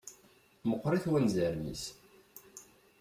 Meqqṛit wanzaren-is.